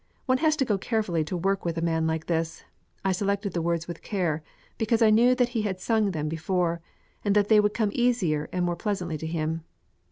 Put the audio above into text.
One has to go carefully to work with a man like this. I selected the words with care, because I knew that he had sung them before, and that they would come easier and more pleasantly to him.